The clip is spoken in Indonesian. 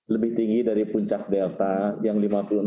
lebih tinggi dari puncak delta yang lima puluh enam